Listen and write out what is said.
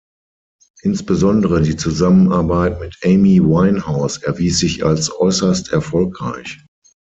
Insbesondere die Zusammenarbeit mit Amy Winehouse erwies sich als äußerst erfolgreich.